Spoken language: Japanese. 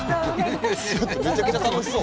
めちゃくちゃ楽しそう！